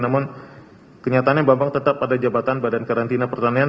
namun kenyataannya bambang tetap pada jabatan badan karantina pertanian